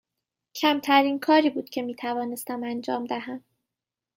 کمترین کاری بود که می توانستم انجام دهم.